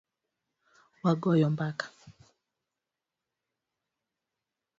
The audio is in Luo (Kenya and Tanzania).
Wagoyo mbaka.